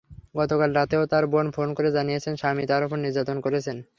গতকাল রাতেও তাঁর বোন ফোন করে জানিয়েছেন, স্বামী তাঁর ওপর নির্যাতন করেছেন।